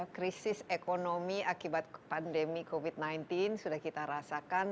krisis ekonomi akibat pandemi covid sembilan belas sudah kita rasakan